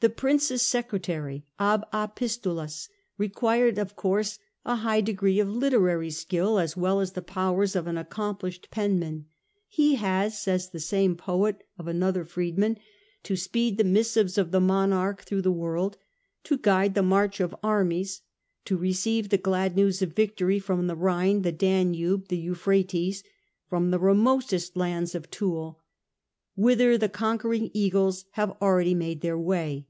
The prince's Secretary (ab epistulis) required of course a high degree of literary skill, as well as the ® Ab powers of an accomplished penman. ' He epistulis has,' says the same poet of another freedman, (secretary). < |.q speed the missives of the monarch through the worlds to guide the march of armies, to receive the glad news of victory from the Rhine, the Danube, the Euphrates, from the remotest lands of Thule, whither the conquering eagles have already made their way.